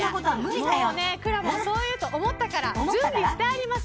くらもん、そう言うと思ったから準備してあります。